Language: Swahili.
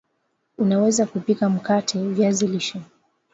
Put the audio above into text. Unawezaje kupika mkate viazi lishe